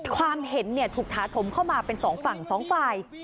ความเห็นเนี่ยถูกถาถมเข้ามาเป็น๒ฝั่ง๒ฝ่าย